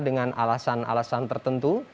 dengan alasan alasan tertentu